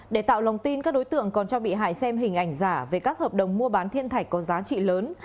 để tạo lòng tin các đối tượng còn cho bị hại xem hình ảnh giả về các hợp đồng mua bán thiên thạch có giá trị lớn